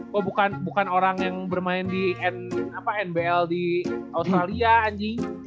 gue bukan orang yang bermain di nbl di australia anjing